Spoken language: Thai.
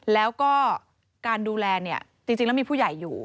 แล้วก็การดูแลเนี่ยจริงแล้วมีผู้ใหญ่อยู่